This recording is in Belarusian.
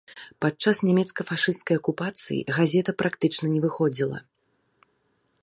Падчас нямецка-фашысцкай акупацыі газета практычна не выходзіла.